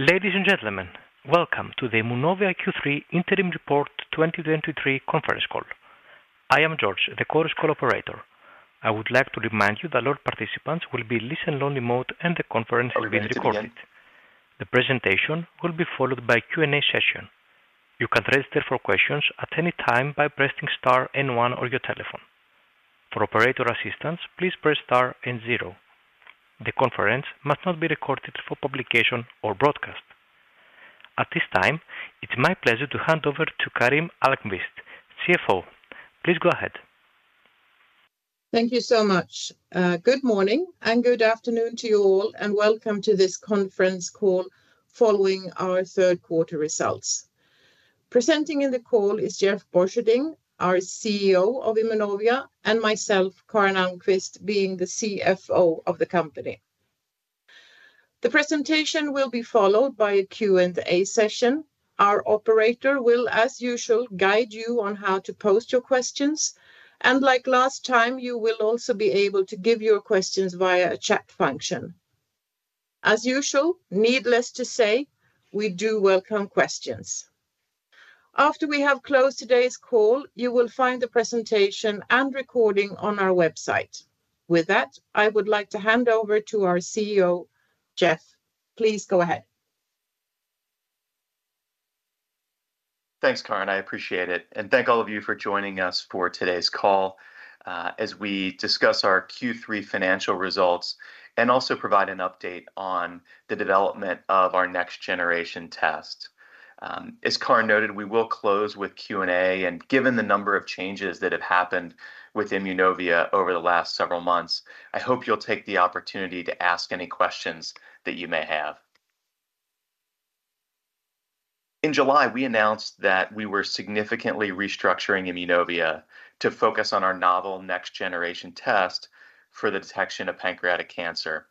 Ladies and gentlemen, welcome to the Immunovia Q3 Interim Report 2023 conference call. I am George, the conference call operator. I would like to remind you that all participants will be listen-only mode, and the conference is being recorded. The presentation will be followed by a Q&A session. You can register for questions at any time by pressing star and one on your telephone. For operator assistance, please press star and zero. The conference must not be recorded for publication or broadcast. At this time, it's my pleasure to hand over to Karin Almqvist, CFO. Please go ahead. Thank you so much. Good morning, and good afternoon to you all, and welcome to this conference call following our third quarter results. Presenting in the call is Jeff Borcherding, our CEO of Immunovia, and myself, Karin Almqvist, being the CFO of the company. The presentation will be followed by a Q&A session. Our operator will, as usual, guide you on how to post your questions, and like last time, you will also be able to give your questions via a chat function. As usual, needless to say, we do welcome questions. After we have closed today's call, you will find the presentation and recording on our website. With that, I would like to hand over to our CEO, Jeff. Please go ahead. Thanks, Karin. I appreciate it, and thank all of you for joining us for today's call, as we discuss our Q3 financial results and also provide an update on the development of our next-generation test. As Karin noted, we will close with Q&A, and given the number of changes that have happened with Immunovia over the last several months, I hope you'll take the opportunity to ask any questions that you may have. In July, we announced that we were significantly restructuring Immunovia to focus on our novel next-generation test for the detection of pancreatic cancer.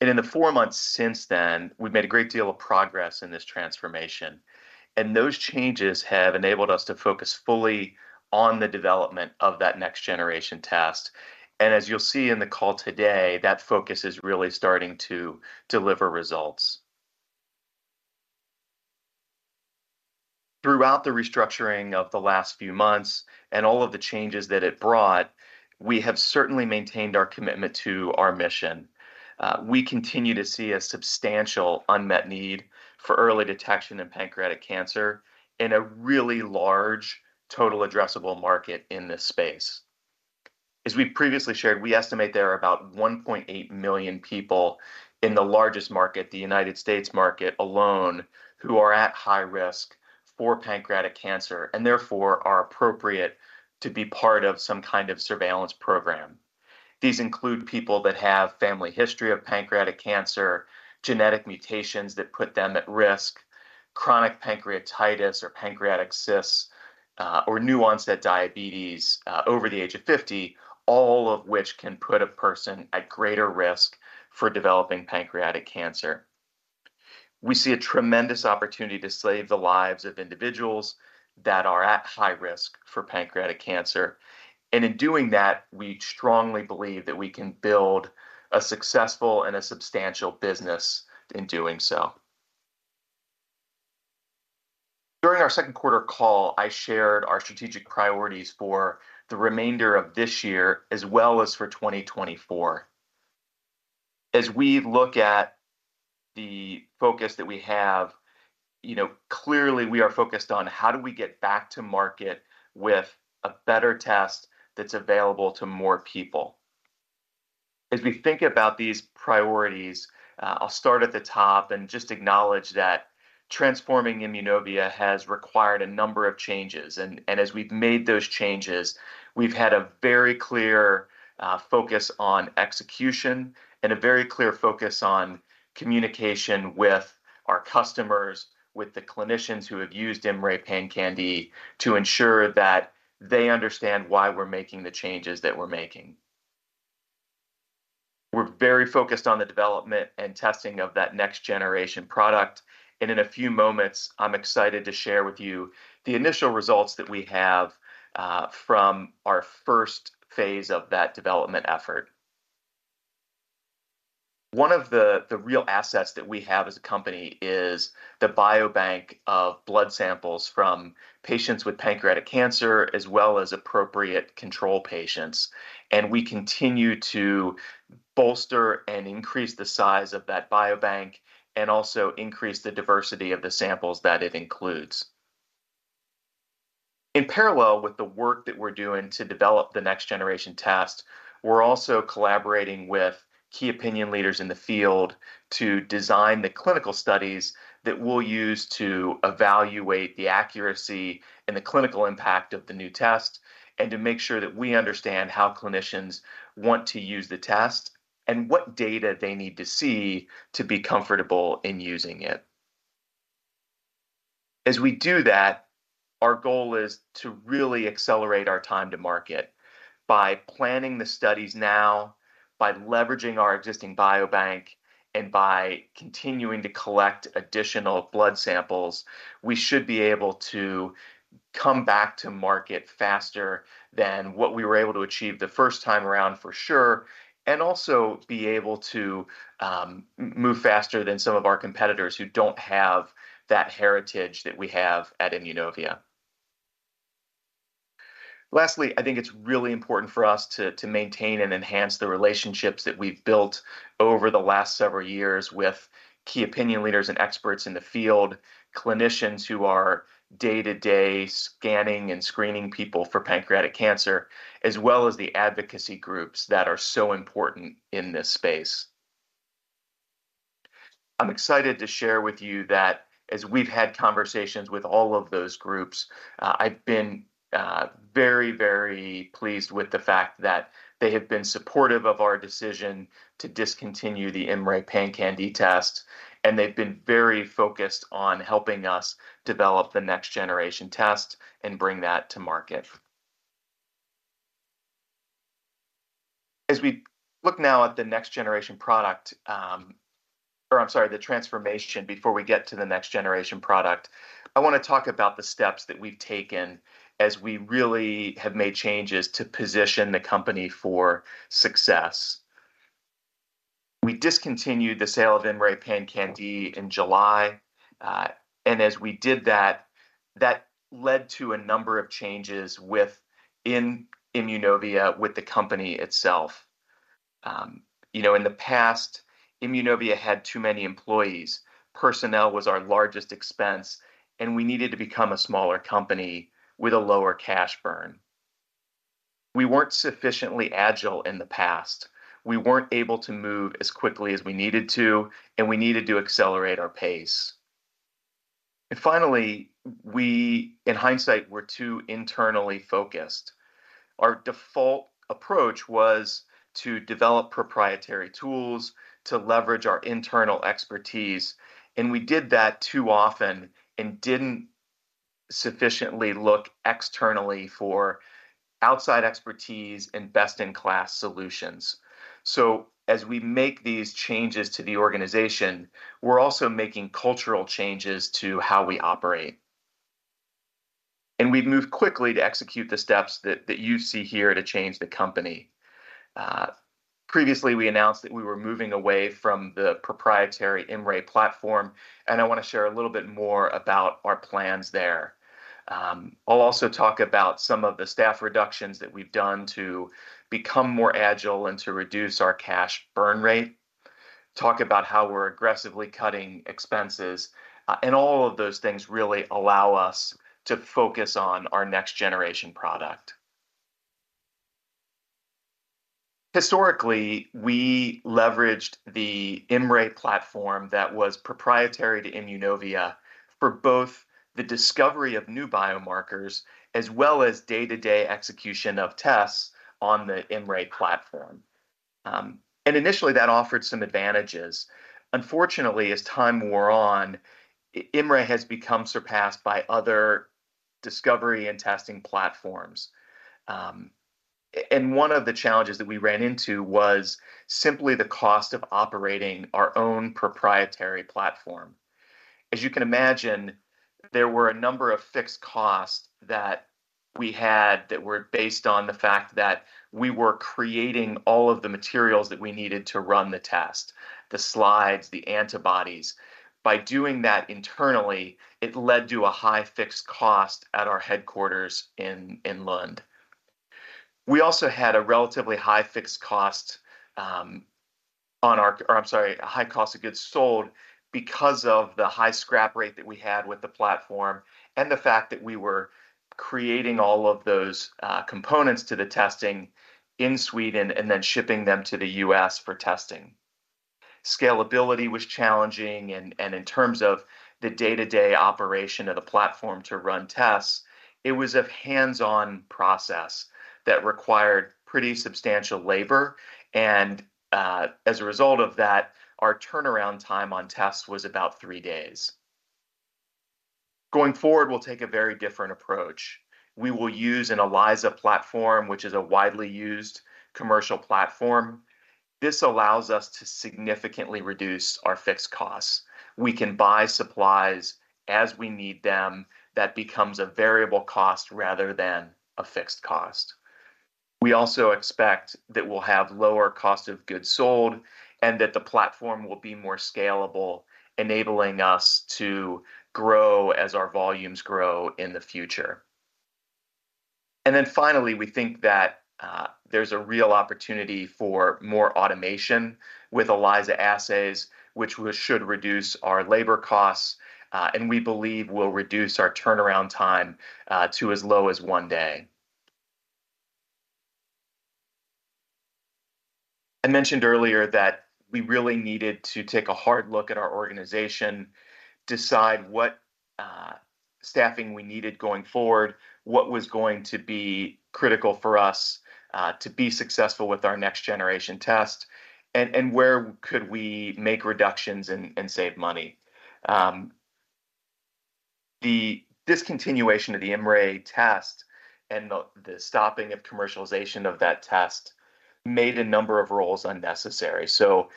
In the four months since then, we've made a great deal of progress in this transformation, and those changes have enabled us to focus fully on the development of that next-generation test. As you'll see in the call today, that focus is really starting to deliver results. Throughout the restructuring of the last few months and all of the changes that it brought, we have certainly maintained our commitment to our mission. We continue to see a substantial unmet need for early detection in pancreatic cancer in a really large total addressable market in this space. As we previously shared, we estimate there are about 1.8 million people in the largest market, the United States market alone, who are at high risk for pancreatic cancer and therefore are appropriate to be part of some kind of surveillance program. These include people that have family history of pancreatic cancer, genetic mutations that put them at risk, chronic pancreatitis or pancreatic cysts, or new-onset diabetes, over the age of 50, all of which can put a person at greater risk for developing pancreatic cancer. We see a tremendous opportunity to save the lives of individuals that are at high risk for pancreatic cancer, and in doing that, we strongly believe that we can build a successful and a substantial business in doing so. During our second quarter call, I shared our strategic priorities for the remainder of this year, as well as for 2024. As we look at the focus that we have, you know, clearly, we are focused on: How do we get back to market with a better test that's available to more people? As we think about these priorities, I'll start at the top and just acknowledge that transforming Immunovia has required a number of changes, and, and as we've made those changes, we've had a very clear focus on execution and a very clear focus on communication with our customers, with the clinicians who have used IMMray PanCan-d, to ensure that they understand why we're making the changes that we're making. We're very focused on the development and testing of that next-generation product, and in a few moments, I'm excited to share with you the initial results that we have from our first phase of that development effort. One of the real assets that we have as a company is the biobank of blood samples from patients with pancreatic cancer, as well as appropriate control patients, and we continue to bolster and increase the size of that biobank and also increase the diversity of the samples that it includes. In parallel with the work that we're doing to develop the next-generation test, we're also collaborating with key opinion leaders in the field to design the clinical studies that we'll use to evaluate the accuracy and the clinical impact of the new test, and to make sure that we understand how clinicians want to use the test and what data they need to see to be comfortable in using it. As we do that, our goal is to really accelerate our time to market. By planning the studies now, by leveraging our existing biobank, and by continuing to collect additional blood samples, we should be able to come back to market faster than what we were able to achieve the first time around, for sure, and also be able to move faster than some of our competitors who don't have that heritage that we have at Immunovia. Lastly, I think it's really important for us to maintain and enhance the relationships that we've built over the last several years with key opinion leaders and experts in the field, clinicians who are day-to-day scanning and screening people for pancreatic cancer, as well as the advocacy groups that are so important in this space. I'm excited to share with you that as we've had conversations with all of those groups, I've been very, very pleased with the fact that they have been supportive of our decision to discontinue the IMMray PanCan-d test, and they've been very focused on helping us develop the next generation test and bring that to market. As we look now at the next generation product, or I'm sorry, the transformation before we get to the next generation product, I wanna talk about the steps that we've taken as we really have made changes to position the company for success. We discontinued the sale of IMMray PanCan-d in July, and as we did that, that led to a number of changes within Immunovia with the company itself. You know, in the past, Immunovia had too many employees. Personnel was our largest expense, and we needed to become a smaller company with a lower cash burn. We weren't sufficiently agile in the past. We weren't able to move as quickly as we needed to, and we needed to accelerate our pace. And finally, we, in hindsight, were too internally focused. Our default approach was to develop proprietary tools to leverage our internal expertise, and we did that too often and didn't sufficiently look externally for outside expertise and best-in-class solutions. So as we make these changes to the organization, we're also making cultural changes to how we operate, and we've moved quickly to execute the steps that you see here to change the company. Previously, we announced that we were moving away from the proprietary IMMray platform, and I wanna share a little bit more about our plans there. I'll also talk about some of the staff reductions that we've done to become more agile and to reduce our cash burn rate, talk about how we're aggressively cutting expenses, and all of those things really allow us to focus on our next-generation product. Historically, we leveraged the IMMray platform that was proprietary to Immunovia for both the discovery of new biomarkers, as well as day-to-day execution of tests on the IMMray platform. Initially, that offered some advantages. Unfortunately, as time wore on, IMMray has become surpassed by other discovery and testing platforms. One of the challenges that we ran into was simply the cost of operating our own proprietary platform. As you can imagine, there were a number of fixed costs that we had that were based on the fact that we were creating all of the materials that we needed to run the test, the slides, the antibodies. By doing that internally, it led to a high fixed cost at our headquarters in Lund. We also had a relatively high fixed cost, or I'm sorry, a high cost of goods sold because of the high scrap rate that we had with the platform, and the fact that we were creating all of those, components to the testing in Sweden, and then shipping them to the US for testing. Scalability was challenging, and in terms of the day-to-day operation of the platform to run tests, it was a hands-on process that required pretty substantial labor, and as a result of that, our turnaround time on tests was about three days. Going forward, we'll take a very different approach. We will use an ELISA platform, which is a widely used commercial platform. This allows us to significantly reduce our fixed costs. We can buy supplies as we need them. That becomes a variable cost rather than a fixed cost. We also expect that we'll have lower cost of goods sold, and that the platform will be more scalable, enabling us to grow as our volumes grow in the future. Then finally, we think that there's a real opportunity for more automation with ELISA assays, which we should reduce our labor costs, and we believe will reduce our turnaround time to as low as one day. I mentioned earlier that we really needed to take a hard look at our organization, decide what staffing we needed going forward, what was going to be critical for us to be successful with our next-generation test, and where we could make reductions and save money. The discontinuation of the IMMray test and the stopping of commercialization of that test made a number of roles unnecessary. So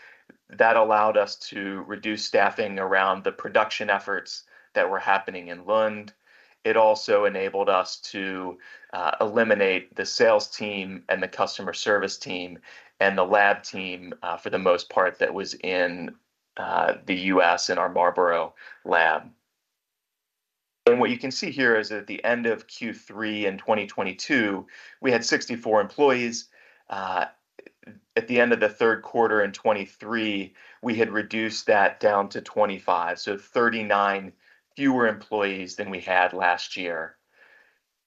that allowed us to reduce staffing around the production efforts that were happening in Lund. It also enabled us to eliminate the sales team and the customer service team and the lab team, for the most part, that was in the U.S., in our Marlborough lab. And what you can see here is that at the end of Q3 in 2022, we had 64 employees. At the end of the third quarter in 2023, we had reduced that down to 25, so 39 fewer employees than we had last year.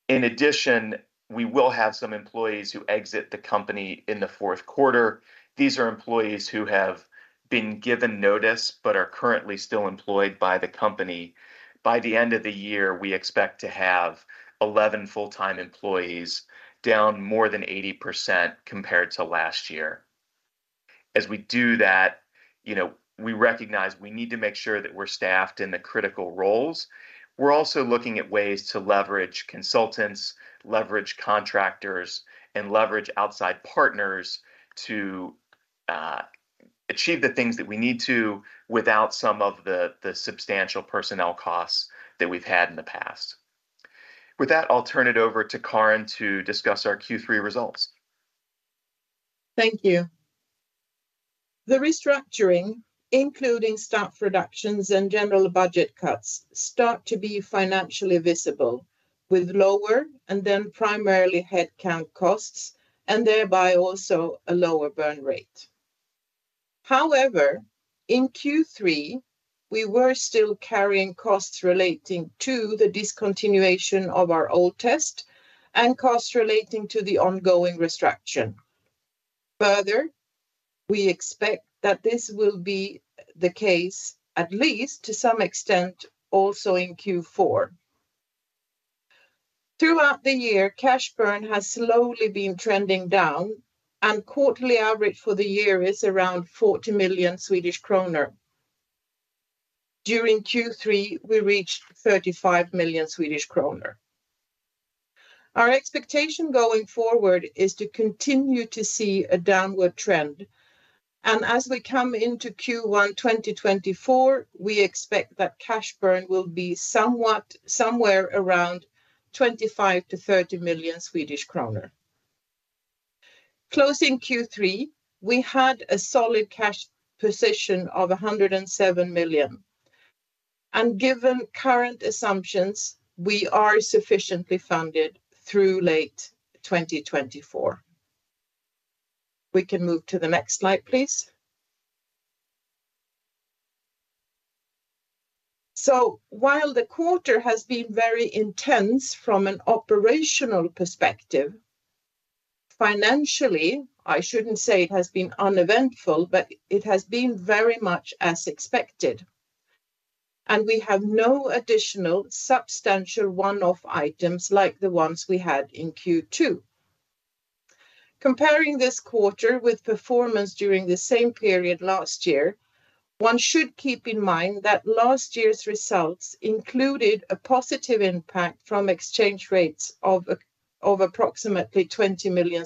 In addition, we will have some employees who exit the company in the fourth quarter. These are employees who have been given notice, but are currently still employed by the company. By the end of the year, we expect to have 11 full-time employees, down more than 80% compared to last year. As we do that, you know, we recognize we need to make sure that we're staffed in the critical roles. We're also looking at ways to leverage consultants, leverage contractors, and leverage outside partners to achieve the things that we need to without some of the, the substantial personnel costs that we've had in the past. With that, I'll turn it over to Karin to discuss our Q3 results. Thank you. The restructuring, including staff reductions and general budget cuts, start to be financially visible, with lower and then primarily headcount costs, and thereby also a lower burn rate. However, in Q3, we were still carrying costs relating to the discontinuation of our old test and costs relating to the ongoing restructuring. Further, we expect that this will be the case at least to some extent, also in Q4. Throughout the year, cash burn has slowly been trending down, and quarterly average for the year is around 40 million Swedish kronor. During Q3, we reached 35 million Swedish kronor. Our expectation going forward is to continue to see a downward trend, and as we come into Q1 2024, we expect that cash burn will be somewhat- somewhere around 25-30 million Swedish kronor. Closing Q3, we had a solid cash position of 107 million, and given current assumptions, we are sufficiently funded through late 2024. We can move to the next slide, please. So while the quarter has been very intense from an operational perspective, financially, I shouldn't say it has been uneventful, but it has been very much as expected, and we have no additional substantial one-off items like the ones we had in Q2. Comparing this quarter with performance during the same period last year, one should keep in mind that last year's results included a positive impact from exchange rates of approximately SEK 20 million.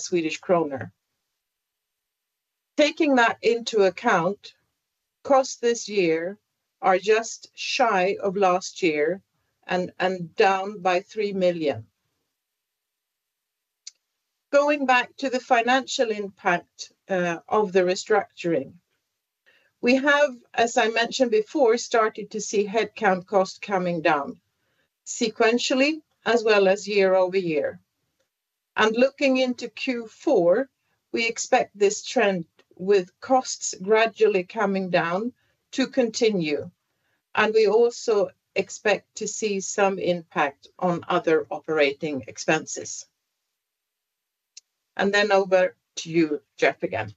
Taking that into account, costs this year are just shy of last year and down by 3 million. Going back to the financial impact of the restructuring, we have, as I mentioned before, started to see headcount costs coming down sequentially as well as year-over-year. Looking into Q4, we expect this trend with costs gradually coming down to continue, and we also expect to see some impact on other operating expenses. Then over to you, Jeff, again.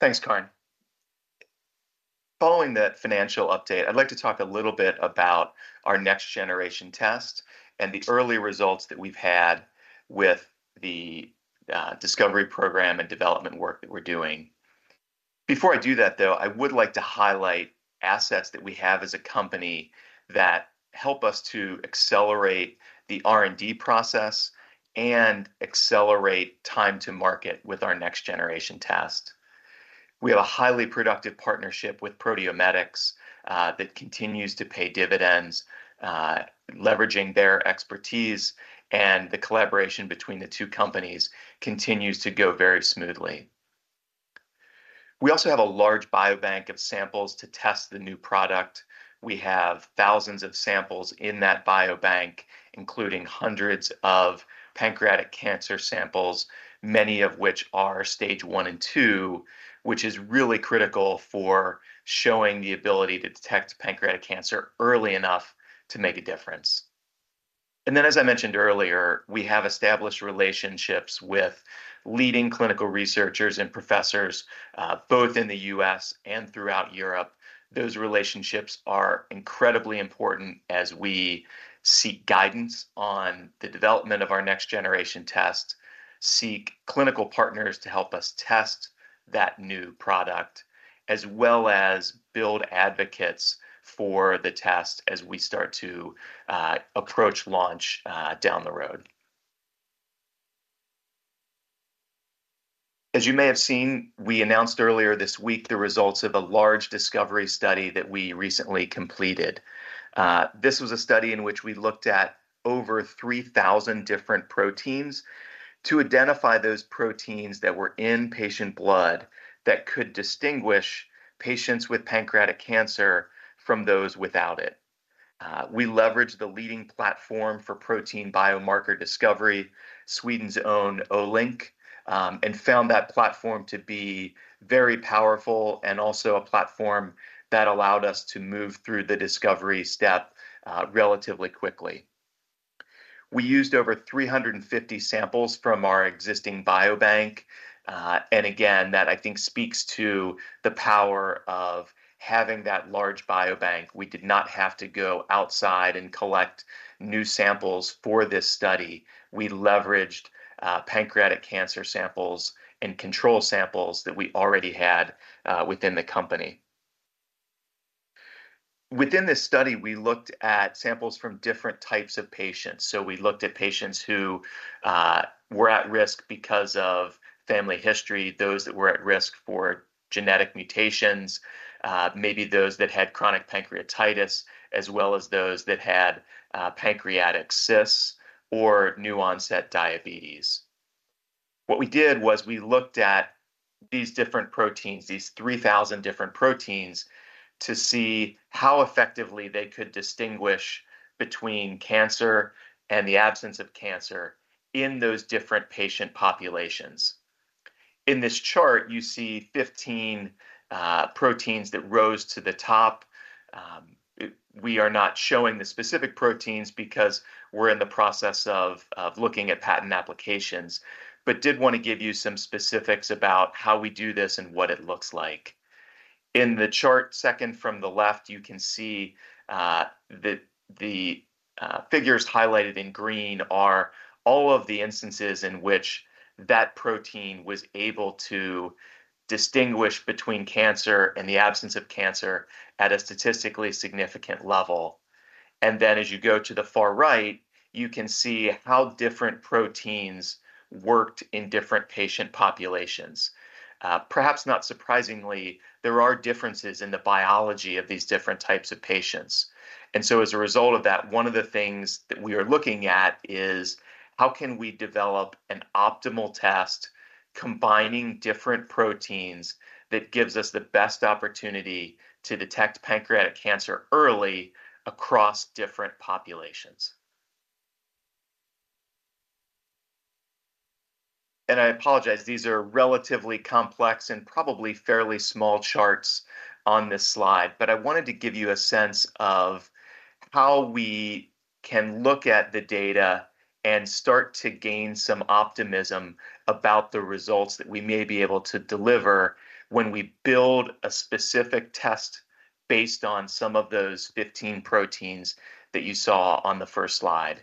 Thanks, Karin. Following that financial update, I'd like to talk a little bit about our next-generation test and the early results that we've had with the discovery program and development work that we're doing. Before I do that, though, I would like to highlight assets that we have as a company that help us to accelerate the R&D process and accelerate time to market with our next-generation test. We have a highly productive partnership with Proteomedix that continues to pay dividends leveraging their expertise, and the collaboration between the two companies continues to go very smoothly. We also have a large biobank of samples to test the new product. We have thousands of samples in that biobank, including hundreds of pancreatic cancer samples, many of which are stage 1 and 2, which is really critical for showing the ability to detect pancreatic cancer early enough to make a difference. And then, as I mentioned earlier, we have established relationships with leading clinical researchers and professors, both in the U.S. and throughout Europe. Those relationships are incredibly important as we seek guidance on the development of our next-generation test, seek clinical partners to help us test that new product, as well as build advocates for the test as we start to approach launch, down the road. As you may have seen, we announced earlier this week the results of a large discovery study that we recently completed. This was a study in which we looked at over 3,000 different proteins to identify those proteins that were in patient blood that could distinguish patients with pancreatic cancer from those without it. We leveraged the leading platform for protein biomarker discovery, Sweden's own Olink, and found that platform to be very powerful and also a platform that allowed us to move through the discovery step, relatively quickly. We used over 350 samples from our existing biobank, and again, that I think speaks to the power of having that large biobank. We did not have to go outside and collect new samples for this study. We leveraged pancreatic cancer samples and control samples that we already had within the company. Within this study, we looked at samples from different types of patients. So we looked at patients who were at risk because of family history, those that were at risk for genetic mutations, maybe those that had chronic pancreatitis, as well as those that had pancreatic cysts or new-onset diabetes. What we did was we looked at these different proteins, these 3,000 different proteins, to see how effectively they could distinguish between cancer and the absence of cancer in those different patient populations. In this chart, you see 15 proteins that rose to the top. We are not showing the specific proteins because we're in the process of looking at patent applications, but did want to give you some specifics about how we do this and what it looks like. In the chart, second from the left, you can see that the figures highlighted in green are all of the instances in which that protein was able to distinguish between cancer and the absence of cancer at a statistically significant level. And then as you go to the far right, you can see how different proteins worked in different patient populations. Perhaps not surprisingly, there are differences in the biology of these different types of patients. And so as a result of that, one of the things that we are looking at is, how can we develop an optimal test, combining different proteins, that gives us the best opportunity to detect pancreatic cancer early across different populations? I apologize, these are relatively complex and probably fairly small charts on this slide, but I wanted to give you a sense of how we can look at the data and start to gain some optimism about the results that we may be able to deliver when we build a specific test based on some of those 15 proteins that you saw on the first slide.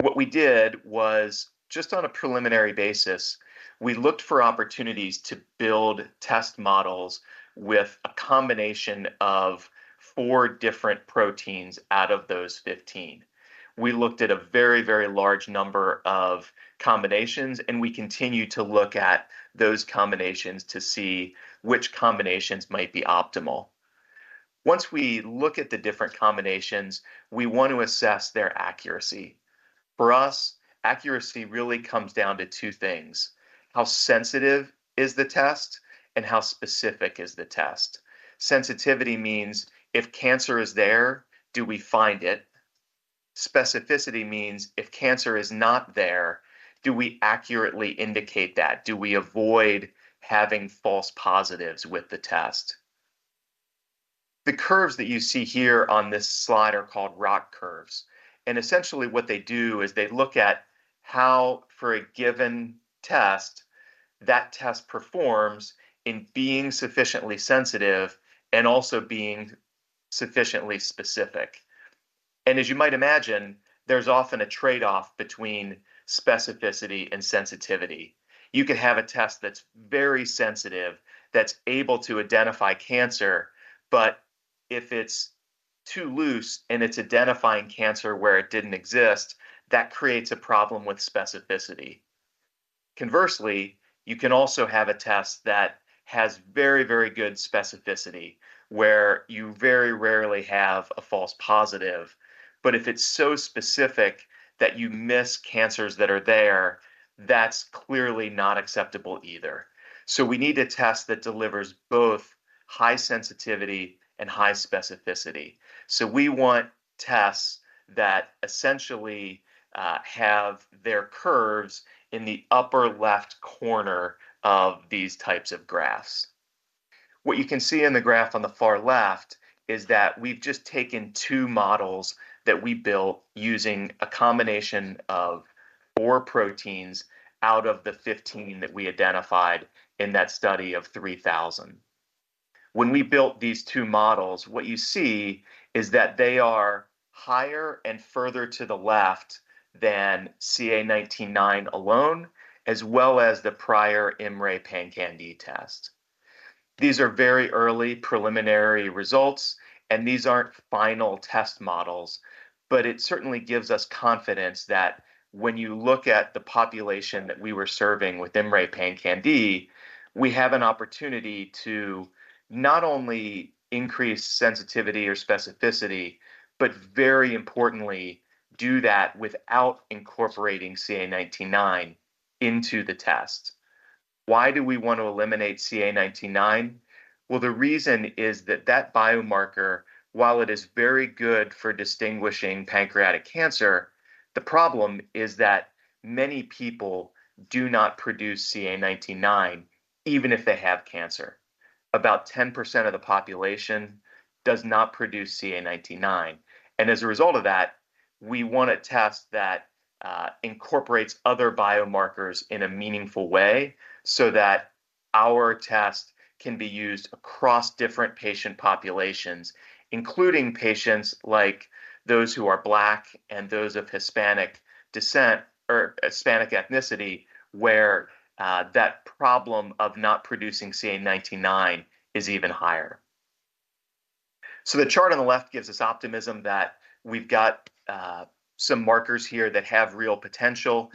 What we did was, just on a preliminary basis, we looked for opportunities to build test models with a combination of four different proteins out of those 15. We looked at a very, very large number of combinations, and we continue to look at those combinations to see which combinations might be optimal. Once we look at the different combinations, we want to assess their accuracy. For us, accuracy really comes down to two things: How sensitive is the test, and how specific is the test? Sensitivity means if cancer is there, do we find it? Specificity means if cancer is not there, do we accurately indicate that? Do we avoid having false positives with the test? The curves that you see here on this slide are called ROC curves, and essentially what they do is they look at how, for a given test, that test performs in being sufficiently sensitive and also being sufficiently specific. As you might imagine, there's often a trade-off between specificity and sensitivity. You could have a test that's very sensitive, that's able to identify cancer, but if it's too loose and it's identifying cancer where it didn't exist, that creates a problem with specificity. Conversely, you can also have a test that has very, very good specificity, where you very rarely have a false positive, but if it's so specific that you miss cancers that are there, that's clearly not acceptable either. So we need a test that delivers both high sensitivity and high specificity. So we want tests that essentially have their curves in the upper left corner of these types of graphs. What you can see in the graph on the far left is that we've just taken two models that we built using a combination of 4 proteins out of the 15 that we identified in that study of 3,000. When we built these two models, what you see is that they are higher and further to the left than CA19-9 alone, as well as the prior IMMray PanCan-d test. These are very early preliminary results, and these aren't final test models, but it certainly gives us confidence that when you look at the population that we were serving with IMMray PanCan-d, we have an opportunity to not only increase sensitivity or specificity, but very importantly, do that without incorporating CA19-9 into the test. Why do we want to eliminate CA19-9? Well, the reason is that that biomarker, while it is very good for distinguishing pancreatic cancer, the problem is that many people do not produce CA19-9 even if they have cancer. About 10% of the population does not produce CA19-9, and as a result of that, we want a test that incorporates other biomarkers in a meaningful way, so that our test can be used across different patient populations, including patients like those who are Black and those of Hispanic descent or Hispanic ethnicity, where that problem of not producing CA19-9 is even higher. So the chart on the left gives us optimism that we've got some markers here that have real potential.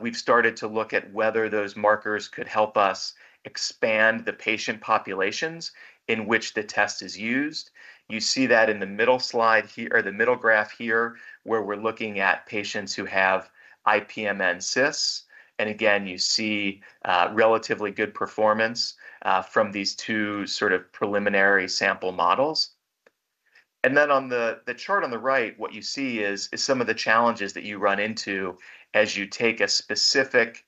We've started to look at whether those markers could help us expand the patient populations in which the test is used. You see that in the middle slide here, or the middle graph here, where we're looking at patients who have IPMN cysts, and again, you see relatively good performance from these two sort of preliminary sample models. And then on the chart on the right, what you see is some of the challenges that you run into as you take a specific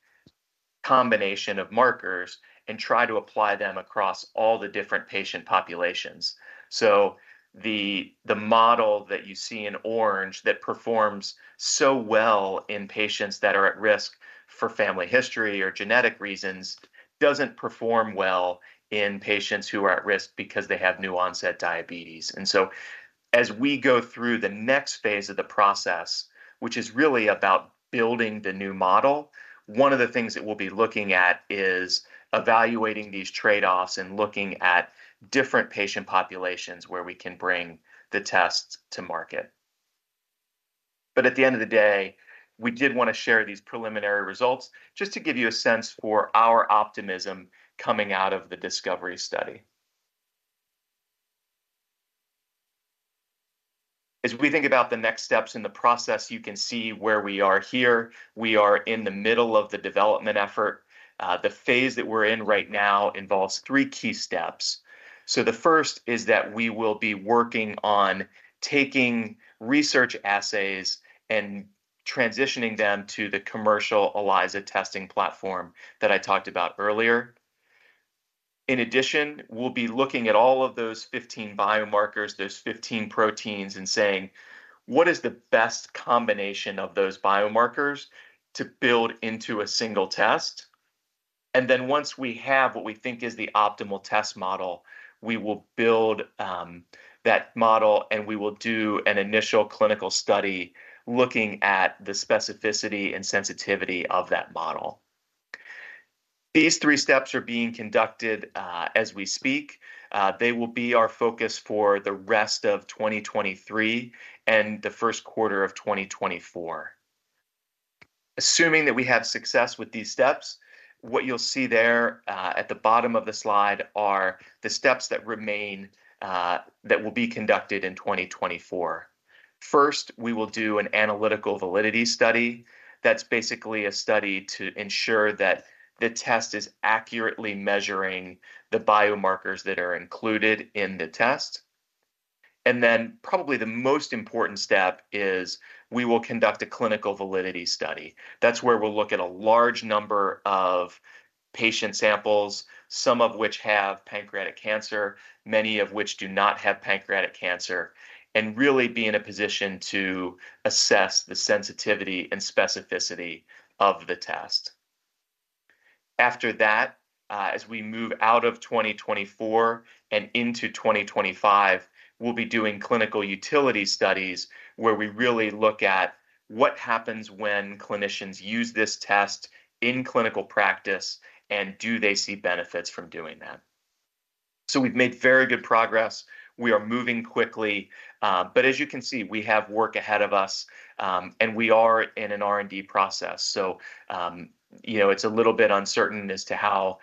combination of markers and try to apply them across all the different patient populations. So the model that you see in orange that performs so well in patients that are at risk for family history or genetic reasons doesn't perform well in patients who are at risk because they have new-onset diabetes. And so as we go through the next phase of the process, which is really about building the new model, one of the things that we'll be looking at is evaluating these trade-offs and looking at different patient populations where we can bring the tests to market. At the end of the day, we did want to share these preliminary results, just to give you a sense for our optimism coming out of the discovery study. As we think about the next steps in the process, you can see where we are here. We are in the middle of the development effort. The phase that we're in right now involves three key steps. The first is that we will be working on taking research assays and transitioning them to the commercial ELISA testing platform that I talked about earlier. In addition, we'll be looking at all of those 15 biomarkers, those 15 proteins, and saying, "What is the best combination of those biomarkers to build into a single test?" And then once we have what we think is the optimal test model, we will build that model, and we will do an initial clinical study looking at the specificity and sensitivity of that model. These three steps are being conducted as we speak. They will be our focus for the rest of 2023 and the first quarter of 2024. Assuming that we have success with these steps, what you'll see there at the bottom of the slide are the steps that remain that will be conducted in 2024. First, we will do an analytical validity study. That's basically a study to ensure that the test is accurately measuring the biomarkers that are included in the test. And then probably the most important step is we will conduct a clinical validity study. That's where we'll look at a large number of patient samples, some of which have pancreatic cancer, many of which do not have pancreatic cancer, and really be in a position to assess the sensitivity and specificity of the test. After that, as we move out of 2024 and into 2025, we'll be doing clinical utility studies where we really look at what happens when clinicians use this test in clinical practice, and do they see benefits from doing that? So we've made very good progress. We are moving quickly, but as you can see, we have work ahead of us, and we are in an R&D process. So, you know, it's a little bit uncertain as to how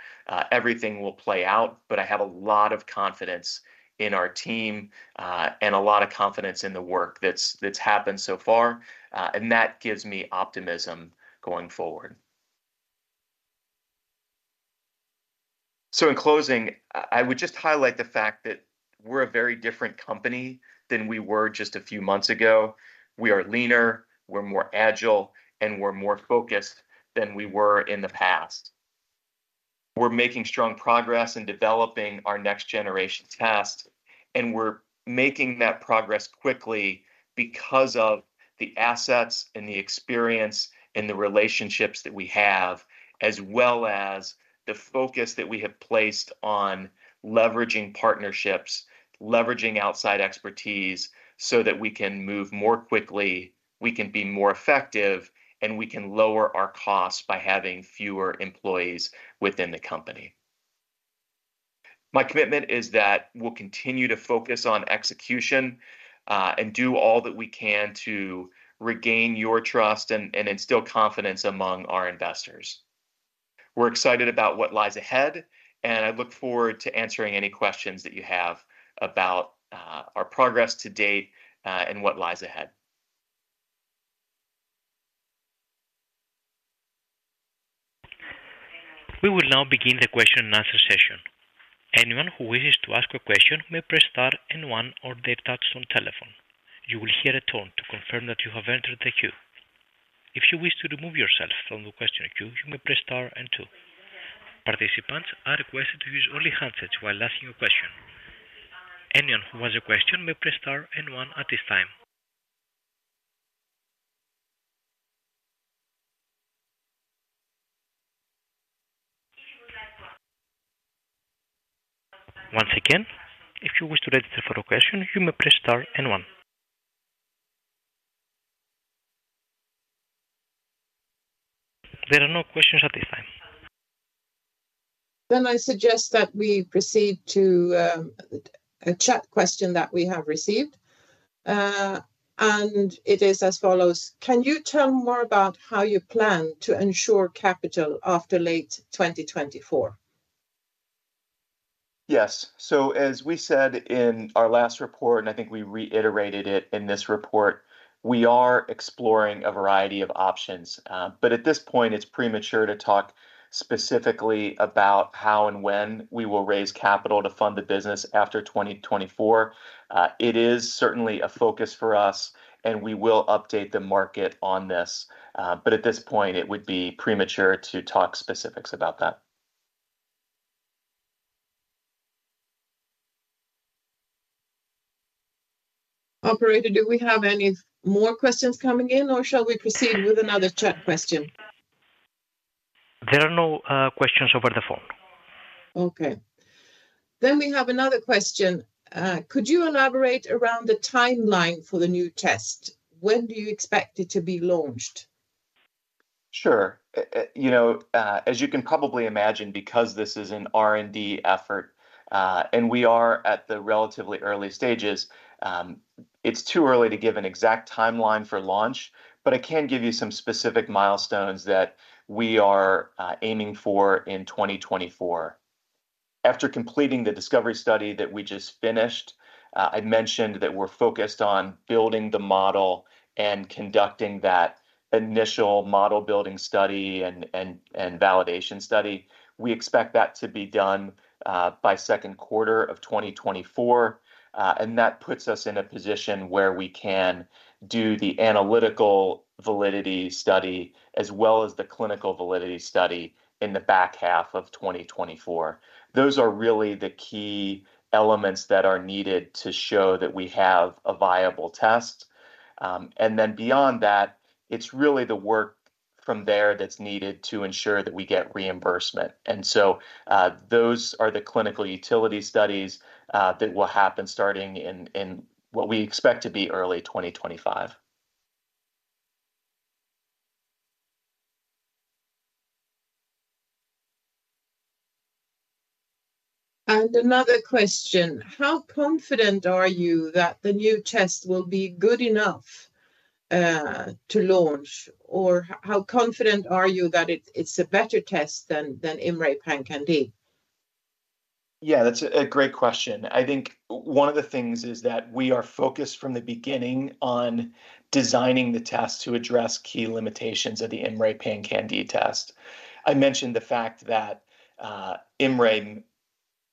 everything will play out, but I have a lot of confidence in our team, and a lot of confidence in the work that's happened so far, and that gives me optimism going forward. So in closing, I would just highlight the fact that we're a very different company than we were just a few months ago. We are leaner, we're more agile, and we're more focused than we were in the past. We're making strong progress in developing our next generation test, and we're making that progress quickly because of the assets and the experience and the relationships that we have, as well as the focus that we have placed on leveraging partnerships, leveraging outside expertise, so that we can move more quickly, we can be more effective, and we can lower our costs by having fewer employees within the company. My commitment is that we'll continue to focus on execution and do all that we can to regain your trust and instill confidence among our investors. We're excited about what lies ahead, and I look forward to answering any questions that you have about our progress to date and what lies ahead. We will now begin the question and answer session. Anyone who wishes to ask a question may press star and one on their touchtone telephone. You will hear a tone to confirm that you have entered the queue. If you wish to remove yourself from the question queue, you may press star and two. Participants are requested to use only handsets while asking a question. Anyone who has a question may press star and one at this time. Once again, if you wish to register for a question, you may press star and one. There are no questions at this time. Then I suggest that we proceed to a chat question that we have received. And it is as follows: Can you tell more about how you plan to ensure capital after late 2024? Yes. So as we said in our last report, and I think we reiterated it in this report, we are exploring a variety of options. But at this point, it's premature to talk specifically about how and when we will raise capital to fund the business after 2024. It is certainly a focus for us, and we will update the market on this. But at this point, it would be premature to talk specifics about that. Operator, do we have any more questions coming in, or shall we proceed with another chat question? There are no questions over the phone. Okay. Then we have another question. Could you elaborate around the timeline for the new test? When do you expect it to be launched? Sure. You know, as you can probably imagine, because this is an R&D effort, and we are at the relatively early stages, it's too early to give an exact timeline for launch, but I can give you some specific milestones that we are aiming for in 2024. After completing the discovery study that we just finished, I mentioned that we're focused on building the model and conducting that initial model-building study and validation study. We expect that to be done by second quarter of 2024, and that puts us in a position where we can do the analytical validity study, as well as the clinical validity study in the back half of 2024. Those are really the key elements that are needed to show that we have a viable test. Then beyond that, it's really the work from there that's needed to ensure that we get reimbursement. So, those are the clinical utility studies that will happen starting in what we expect to be early 2025. Another question: How confident are you that the new test will be good enough to launch? Or how confident are you that it's a better test than IMMray PanCan-d? Yeah, that's a great question. I think one of the things is that we are focused from the beginning on designing the test to address key limitations of the IMMray PanCan-d test. I mentioned the fact that, IMMray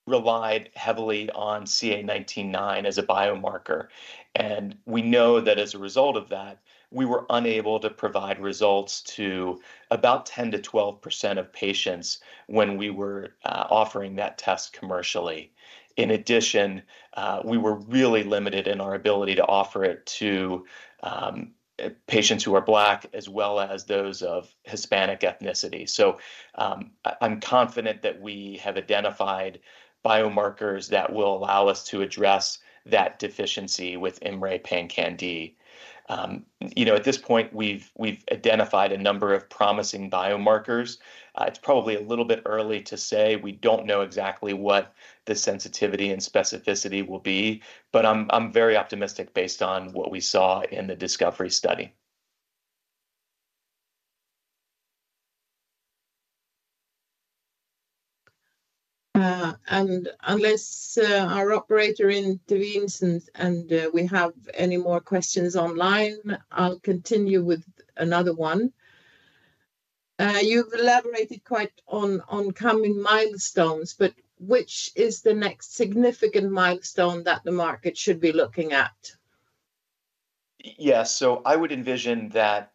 relied heavily on CA19-9 as a biomarker, and we know that as a result of that, we were unable to provide results to about 10%-12% of patients when we were offering that test commercially. In addition, we were really limited in our ability to offer it to patients who are Black, as well as those of Hispanic ethnicity. So, I'm confident that we have identified biomarkers that will allow us to address that deficiency with IMMray PanCan-d. You know, at this point, we've identified a number of promising biomarkers. It's probably a little bit early to say. We don't know exactly what the sensitivity and specificity will be, but I'm very optimistic based on what we saw in the discovery study. And unless our operator intervenes and we have any more questions online, I'll continue with another one. You've elaborated quite on coming milestones, but which is the next significant milestone that the market should be looking at? Yes, so I would envision that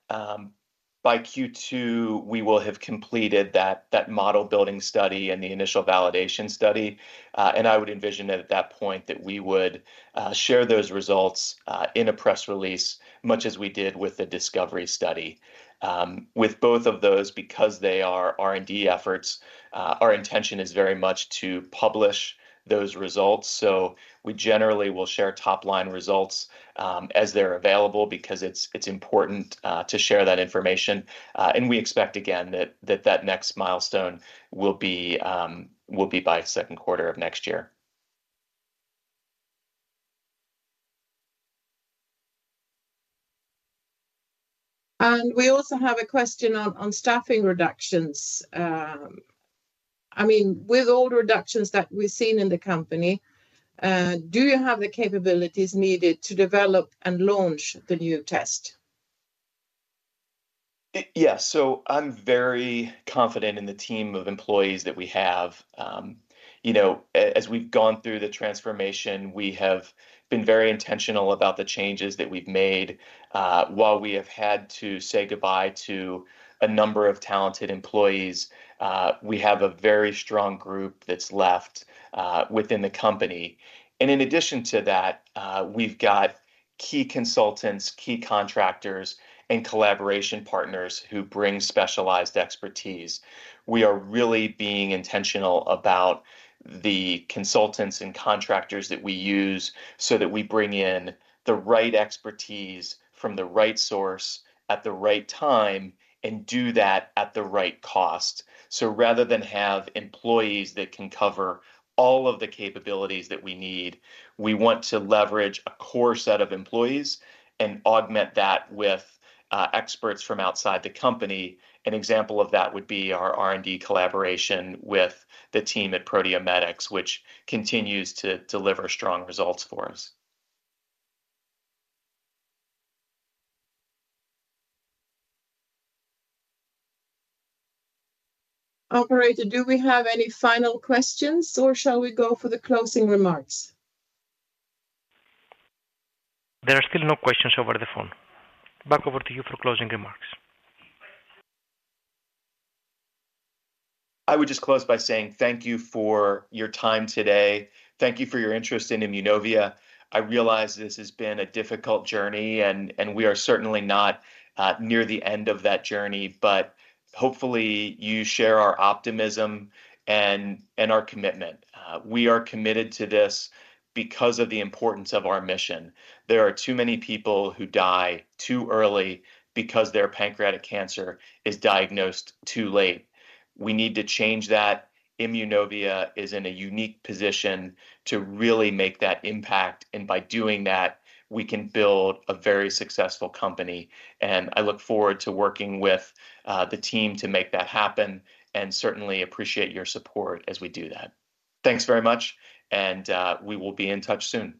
by Q2, we will have completed that model-building study and the initial validation study. And I would envision that at that point, that we would share those results in a press release, much as we did with the discovery study. With both of those, because they are R&D efforts, our intention is very much to publish those results. So we generally will share top-line results as they're available, because it's important to share that information. And we expect again, that next milestone will be by second quarter of next year. We also have a question on staffing reductions. I mean, with all the reductions that we've seen in the company, do you have the capabilities needed to develop and launch the new test? Yes, so I'm very confident in the team of employees that we have. You know, as we've gone through the transformation, we have been very intentional about the changes that we've made. While we have had to say goodbye to a number of talented employees, we have a very strong group that's left within the company. In addition to that, we've got key consultants, key contractors, and collaboration partners who bring specialized expertise. We are really being intentional about the consultants and contractors that we use, so that we bring in the right expertise from the right source at the right time, and do that at the right cost. So rather than have employees that can cover all of the capabilities that we need, we want to leverage a core set of employees and augment that with experts from outside the company. An example of that would be our R&D collaboration with the team at Proteomedix, which continues to deliver strong results for us. Operator, do we have any final questions, or shall we go for the closing remarks? There are still no questions over the phone. Back over to you for closing remarks. I would just close by saying thank you for your time today. Thank you for your interest in Immunovia. I realize this has been a difficult journey, and we are certainly not near the end of that journey, but hopefully, you share our optimism and our commitment. We are committed to this because of the importance of our mission. There are too many people who die too early because their pancreatic cancer is diagnosed too late. We need to change that. Immunovia is in a unique position to really make that impact, and by doing that, we can build a very successful company, and I look forward to working with the team to make that happen, and certainly appreciate your support as we do that. Thanks very much, and we will be in touch soon.